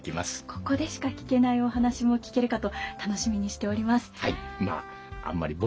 ここでしか聞けないお話も聞けるかと楽しみにしております。